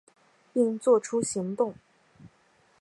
并做出行动